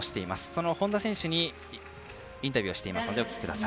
その本多選手にインタビューをしています。